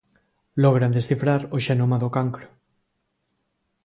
Logran descifran o xenoma do cancro.